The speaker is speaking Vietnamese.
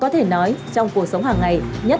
thế đối sai của mình